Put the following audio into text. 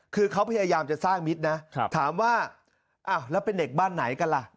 คือเขาพยายามจะสร้างมิตรนะถามว่าอ้าวแล้วเป็นเด็กบ้านไหนกันล่ะ